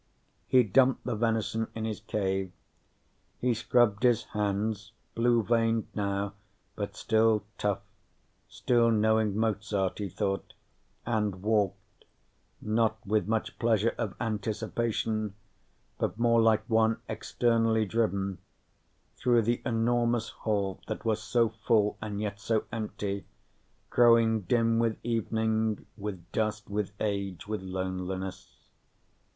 He dumped the venison in his cave. He scrubbed his hands, blue veined now, but still tough, still knowing Mozart, he thought, and walked not with much pleasure of anticipation, but more like one externally driven through the enormous hall that was so full and yet so empty, growing dim with evening, with dust, with age, with loneliness.